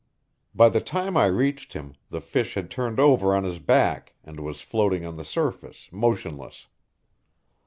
By the time I reached him the fish had turned over on his back and was floating on the surface, motionless.